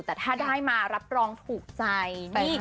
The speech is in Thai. แต่ถ้าได้มารับรองถูกใจ